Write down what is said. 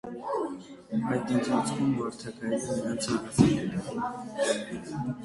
Այդ ընթացքում մարդագայլը նրանց հարազատ է դառնում։